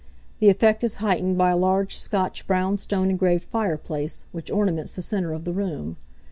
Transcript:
The effect is heightened by a large Scotch brownstone engraved fireplace, which ornaments the centre of the room.